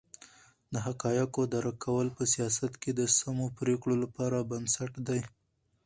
د حقایقو درک کول په سیاست کې د سمو پرېکړو لپاره بنسټ دی.